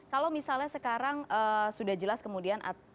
kalau misalnya sekarang sudah jelas kemudian